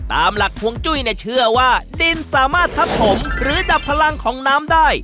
ตามหลักฮวงจุ้ยเนี่ยเชื่อว่าดินสามารถทับถมหรือดับพลังของน้ำได้